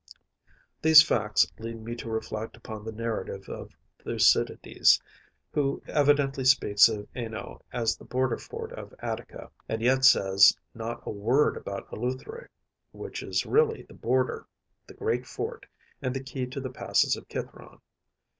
These facts led me to reflect upon the narrative of Thucydides, who evidently speaks of Ňínoe as the border fort of Attica, and yet says not a word about Eleutheræ, which is really the border, the great fort, and the key to the passes of Cithæron.